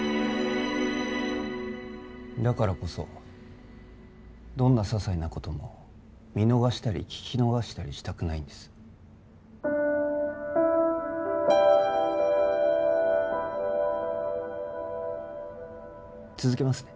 だからこそどんな些細なことも見逃したり聞き逃したりしたくないんです続けますね